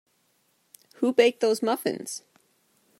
Who baked those muffins?